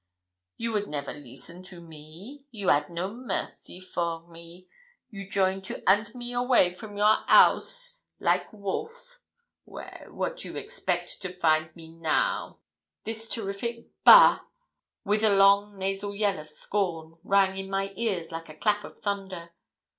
You would never listen to me you 'ad no mercy for me you join to hunt me away from your house like wolf. Well, what you expect to find me now? Bah!' This terrific 'Bah!' with a long nasal yell of scorn, rang in my ears like a clap of thunder.